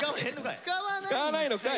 使わないのかい！